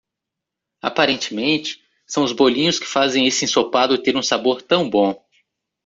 Aparentemente,? são os bolinhos que fazem esse ensopado ter um sabor tão bom.